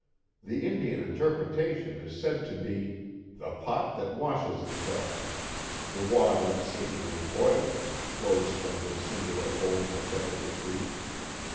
The Indian interpretation is said to be " the pot that washes itself." ihe water seemingl)' boiling as it flows from this singular hoie in the bed of the creek.